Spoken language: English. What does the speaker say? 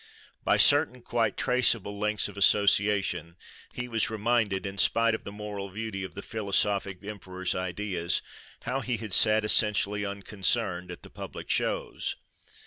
By certain quite traceable links of association he was reminded, in spite of the moral beauty of the philosophic emperor's ideas, how he had sat, essentially unconcerned, at the public shows.